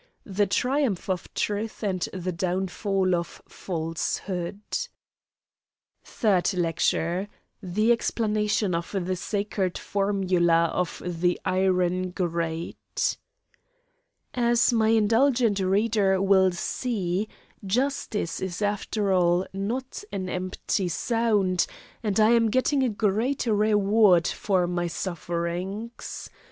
The triumph of truth and the downfall of falsehood. THIRD LECTURE THE EXPLANATION OF THE SACRED FORMULA OF THE IRON GRATE As my indulgent reader will see, justice is after all not an empty sound, and I am getting a great reward for my sufferings.